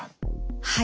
はい。